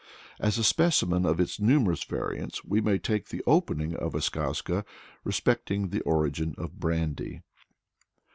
As a specimen of its numerous variants we may take the opening of a skazka respecting the origin of brandy.